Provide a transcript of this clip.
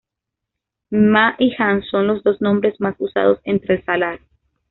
Ma y Han son los dos nombres más usados entre el salar.